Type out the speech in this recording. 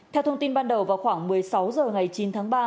theo thông tin ban đầu vào khoảng một mươi sáu h ngày chín tháng ba